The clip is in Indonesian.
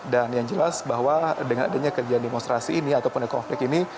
yang jelas bahwa dengan adanya kerjaan demonstrasi ini ataupun konflik ini